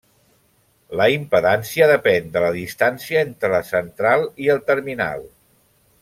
La impedància depèn de la distància entre la central i el terminal.